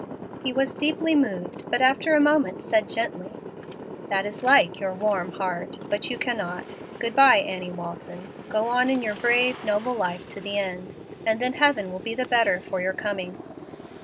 He was deeply moved, but after a moment said, gently, "That is like your warm heart. But you cannot. Good by, Annie Walton. Go on in your brave, noble life to the end, and then heaven will be the better for your coming."